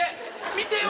見てよ？